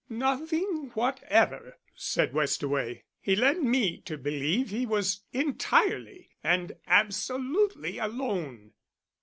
"Nothing whatever," said Westaway. "He led me to believe he was entirely and absolutely alone."